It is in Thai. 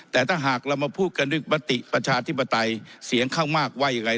แต่ถ้าหากเรามาพูดกันด้วยมติประชาธิปไตยเสียงข้างมากว่ายังไง